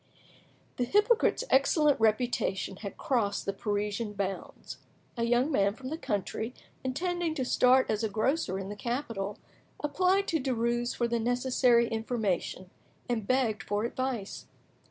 The hypocrite's excellent reputation had crossed the Parisian bounds. A young man from the country, intending to start as a grocer in the capital, applied to Derues for the necessary information and begged for advice.